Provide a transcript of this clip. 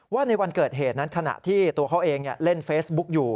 ในวันเกิดเหตุนั้นขณะที่ตัวเขาเองเล่นเฟซบุ๊กอยู่